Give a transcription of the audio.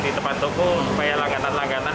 di depan toko kayak langganan langganan